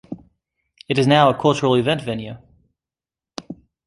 It is now a cultural event venue.